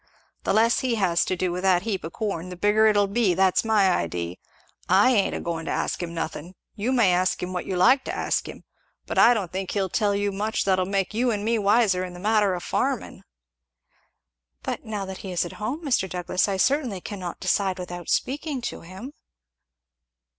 "The less he has to do with that heap of corn the bigger it'll be that's my idee, I ain't agoin' to ask him nothin' you may ask him what you like to ask him but I don't think he'll tell you much that'll make you and me wiser in the matter o' farmin'." "But now that he is at home, Mr. Douglass, I certainly cannot decide without speaking to him."